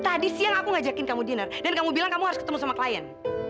tadi siang aku ngajakin kamu dinner dan kamu bilang kamu harus ketemu sama klien